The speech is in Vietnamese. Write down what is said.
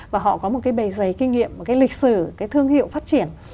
và họ có một cái bề giấy kinh nghiệm một cái lịch sử cái thương hiệu phát triển